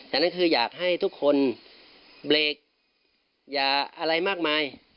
อันนั้นคืออยากให้ทุกคนเบรกอย่าอะไรมากมาย